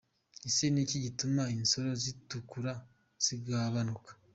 Ese ni iki gituma insoro zitukura zigabanuka?.